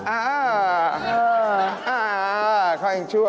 อ้าวอ้าวความยังชั่ว